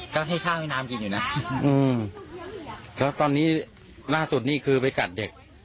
ก็ให้ข้าวให้น้ำกินอยู่นะอืมแล้วตอนนี้ล่าสุดนี่คือไปกัดเด็ก